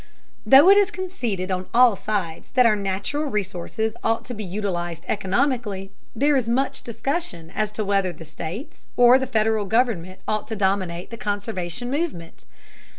Though it is conceded on all sides that our natural resources ought to be utilized economically, there is much discussion as to whether the states or the Federal government ought to dominate the conservation movement.